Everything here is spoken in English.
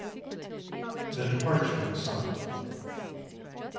THE DEPARTURE OF SUMMER.